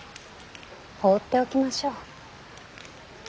放っておきましょう。